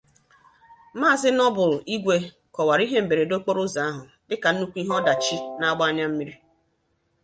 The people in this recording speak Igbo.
Maazị Noble Igwe kọwara ihe mberede okporoụzọ ahụ dịka nnukwu ihe ọdachi na-agba anyammiri